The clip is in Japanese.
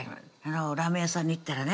ラーメン屋さんに行ったらね